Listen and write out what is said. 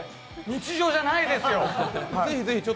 日常じゃないですよ！